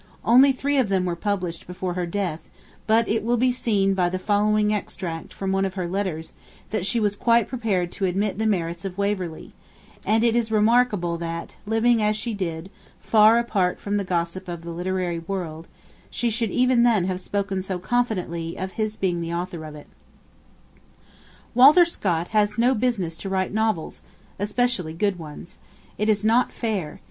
Only three of them were published before her death; but it will be seen by the following extract from one of her letters, that she was quite prepared to admit the merits of 'Waverley'; and it is remarkable that, living, as she did, far apart from the gossip of the literary world, she should even then have spoken so confidently of his being the author of it: 'Walter Scott has no business to write novels; especially good ones. It is not fair.